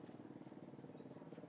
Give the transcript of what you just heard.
itu dua bulan yang lalu ya ibu ya